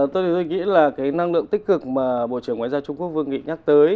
tôi nghĩ là cái năng lượng tích cực mà bộ trưởng ngoại giao trung quốc vương nghị nhắc tới